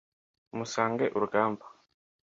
musange urugamba